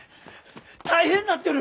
大変なってる！